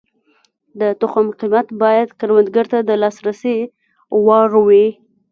د تخم قیمت باید کروندګر ته د لاسرسي وړ وي.